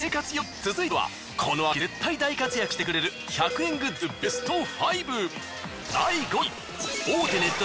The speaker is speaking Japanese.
続いてはこの秋絶対大活躍してくれる１００円グッズ